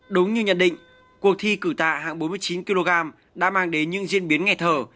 đúng như nhận định cuộc thi cử tạ hạng bốn mươi chín kg đã mang đến những diễn biến ngày thở